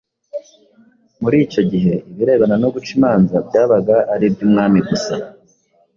muri icyo gihe ibirebana no guca imanza byabaga ari iby’Umwami gusa.